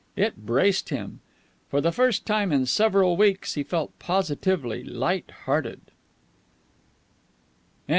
It braced him. For the first time in several weeks he felt positively light hearted.